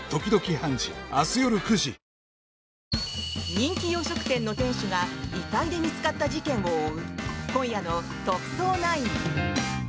人気洋食店の店主が遺体で見つかった事件を追う今夜の「特捜９」。